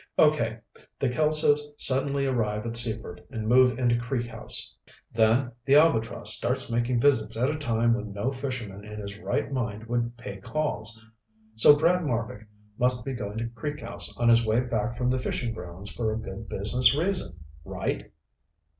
"Okay. The Kelsos suddenly arrive at Seaford and move into Creek House. Then the Albatross starts making visits at a time when no fisherman in his right mind would pay calls. So Brad Marbek must be going to Creek House on his way back from the fishing grounds for a good business reason. Right?"